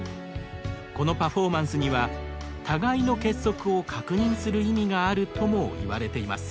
このパフォーマンスには互いの結束を確認する意味があるともいわれています。